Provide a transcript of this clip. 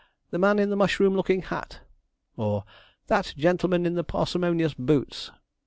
the man in the mushroom looking hat!' or, 'that gentleman in the parsimonious boots!'